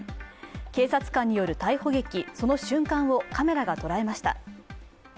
警察官による逮捕劇、その瞬間をカメラが捉えました。